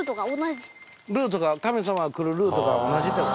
ルートが神様が来るルートが同じって事？